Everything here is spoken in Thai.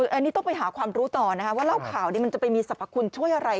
อันนี้ต้องไปหาความรู้ต่อนะคะว่าเล่าข่าวนี้มันจะไปมีสรรพคุณช่วยอะไร